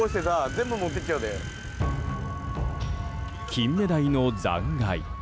キンメダイの残骸。